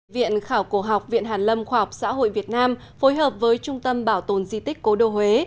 viện khảo cổ học viện hàn lâm khoa học xã hội việt nam phối hợp với trung tâm bảo tồn di tích cố đô huế